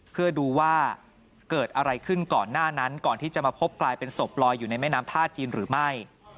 เพื่อดูว่าเกิดอะไรขึ้นก่อนหน้านั้นก่อนที่จะมาพบกลายเป็นศพลอยอยู่ในแม่น้ำท่าจีนหรือไม่